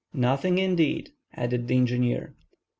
"Nothing, indeed," added the engineer.